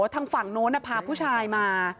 ทางฝั่งโน้นพาผู้ชายมา